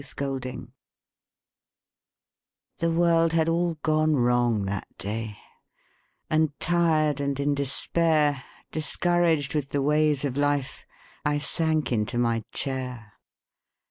MY COMFORTER The world had all gone wrong that day And tired and in despair, Discouraged with the ways of life, I sank into my chair.